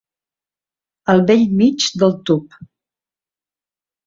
Al bell mig del tub.